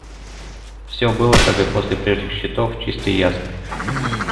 Всё было, как и после прежних счетов, чисто и ясно.